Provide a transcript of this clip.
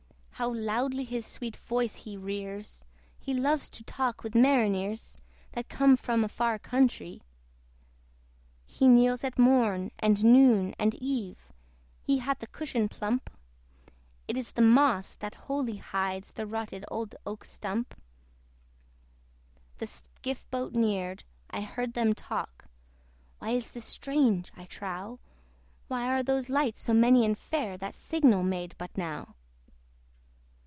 How loudly his sweet voice he rears! He loves to talk with marineres That come from a far countree. He kneels at morn and noon and eve He hath a cushion plump: It is the moss that wholly hides The rotted old oak stump. The skiff boat neared: I heard them talk, "Why this is strange, I trow! Where are those lights so many and fair, That signal made but now?"